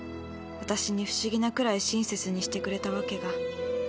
私に不思議なくらい親切にしてくれたわけが。